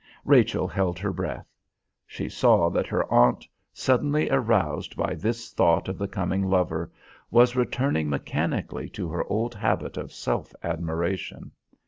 Rachel held her breath. She saw that her aunt, suddenly aroused by this thought of the coming lover, was returning mechanically to her old habit of self admiration.